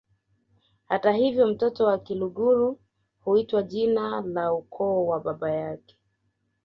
Hata hivyo mtoto wa Kiluguru huitwa jina la ukoo wa baba yake